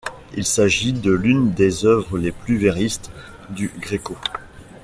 Il s'agit de l'une des œuvres les plus véristes du Gréco.